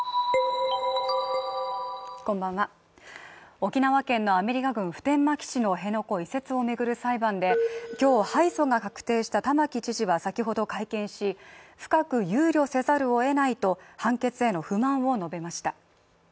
沖縄県のアメリカ軍普天間基地の辺野古移設を巡る裁判で今日、敗訴が確定した玉城知事は先ほど会見し、深く憂慮せざるをえないと判決への不満を述べました。